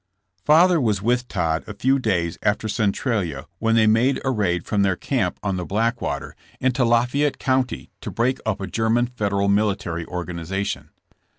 '' Father was with Todd a few days after Centralia when they made a raid from their camp on the Black JESSS JAMES AS A GUERRILLA. 87 water into Lafayette County to break up a German Federal military organization.